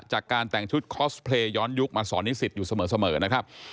จากการแต่งชุดคอสเพลย์ย้อนยุคมาสอนนิสิตอยู่เสมอนะครับ